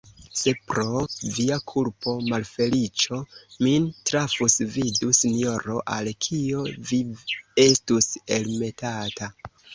Se, pro via kulpo, malfeliĉo min trafus, vidu, sinjoro, al kio vi estus elmetata!